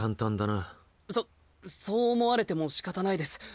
そっそう思われてもしかたないです。